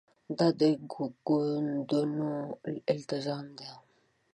دا د ګوندونو التزام ده.